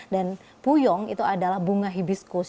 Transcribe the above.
dan fuyung itu adalah bunga hibiscus